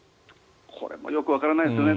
これもよくわからないんですね。